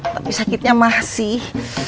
tapi sakitnya masih